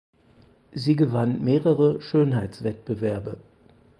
Sie gewann mehrere Schönheitswettbewerbe.